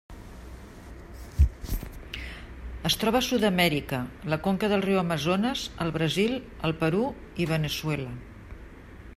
Es troba a Sud-amèrica: la conca del riu Amazones al Brasil, el Perú i Veneçuela.